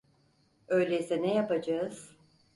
Öyleyse ne yapacağız?